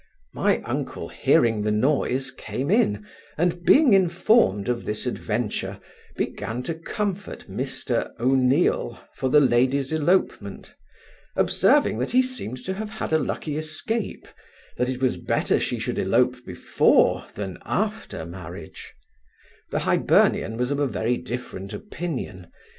My uncle hearing the noise, came in, and being informed of this adventure, began to comfort Mr Oneale for the lady's elopement; observing that he seemed to have had a lucky escape, that it was better she should elope before, than after marriage The Hibernian was of a very different opinion.